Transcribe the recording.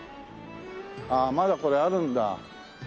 まだこれあるんだ。